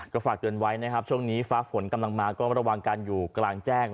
ก็ฝากเตือนไว้นะครับช่วงนี้ฟ้าฝนกำลังมาก็ระวังกันอยู่กลางแจ้ง